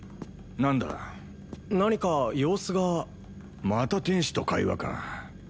何だ何か様子がまた天使と会話か